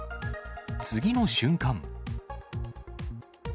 次の瞬間。